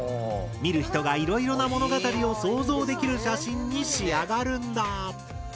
見る人がいろいろな物語を想像できる写真に仕上がるんだ。